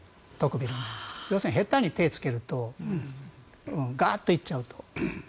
要するに下手に手をつけるとガーンと行っちゃう。